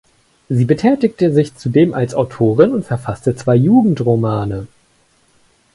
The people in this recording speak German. Sie betätigte sich zudem als Autorin und verfasste zwei Jugendromane.